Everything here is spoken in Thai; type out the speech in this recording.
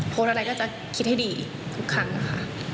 โพสต์อะไรก็จะคิดให้ดีทุกครั้งค่ะ